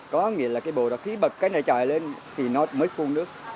có nghĩa là cái bồ đó khi bật cái này chạy lên thì nó mới phun nước